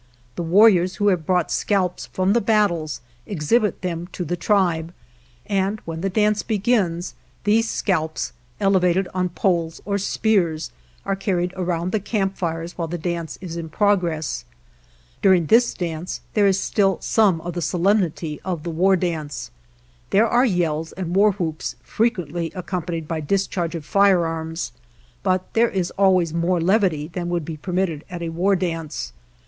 The war riors who have brought scalps from the battles exhibit them to the tribe, and when the dance begins these scalps, elevated on poles or spears, are carried around the camp fires while the dance is in progress. During this dance there is still some of the solem 191 GERONIMO nity of the war dance. There are yells and war whoops, frequently accompanied by dis charge of firearms, but there is always more levity than would be permitted at a war dance.